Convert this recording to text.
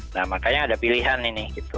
nah makanya ada pilihan ini gitu